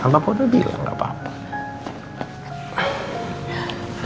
kamu udah bilang gapapa